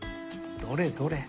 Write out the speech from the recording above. どれどれ。